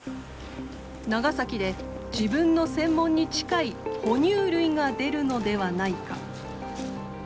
長崎で自分の専門に近い哺乳類が出るのではないか。